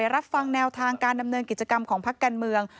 รับฟังแนวทางการดำเนินกิจกรรมของพักการเมือง